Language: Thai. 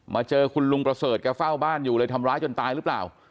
เจอคุณลุงประเสริฐแกเฝ้าบ้านอยู่เลยทำร้ายจนตายหรือเปล่า